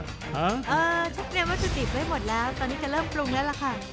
ฉันเตรียมวัตถุดิบไว้หมดแล้วตอนนี้จะเริ่มปรุงแล้วล่ะค่ะ